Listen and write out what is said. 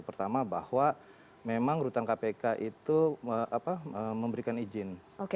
pertama bahwa memang rutan kpk itu memberikan izin